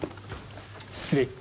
失礼。